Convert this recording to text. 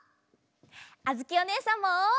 あづきおねえさんも！